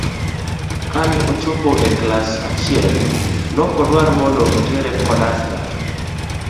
Kane ochopo e klas achiel nokodwar mondo otere kodas n'gato.